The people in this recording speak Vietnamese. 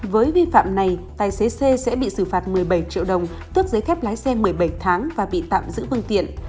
với vi phạm này tài xế xe sẽ bị xử phạt một mươi bảy triệu đồng tước giấy phép lái xe một mươi bảy tháng và bị tạm giữ phương tiện